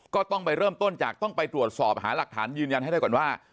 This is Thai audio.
ก็ต้องไปเริ่มต้นจากต้องไปตรวจสอบหาหลักฐานยืนยันให้ได้ก่อนว่า